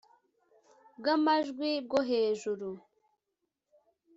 bw amajwi bwo hejuru